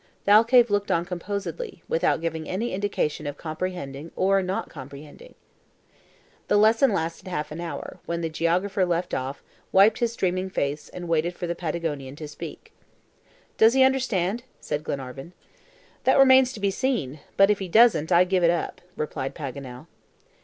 Thalcave looked on composedly, without giving any indication of comprehending or not comprehending. The lesson had lasted half an hour, when the geographer left off, wiped his streaming face, and waited for the Patagonian to speak. "Does he understand?" said Glenarvan. "That remains to be seen; but if he doesn't, I give it up," replied Paganel.